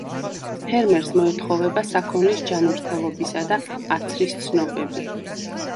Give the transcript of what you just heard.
ფერმერს მოეთხოვება საქონლის ჯანმრთელობისა და აცრის ცნობები.